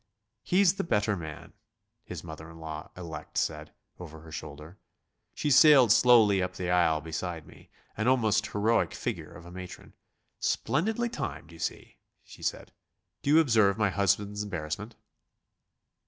"He's the better man," his mother in law elect said, over her shoulder. She sailed slowly up the aisle beside me, an almost heroic figure of a matron. "Splendidly timed, you see," she said, "do you observe my husband's embarrassment?"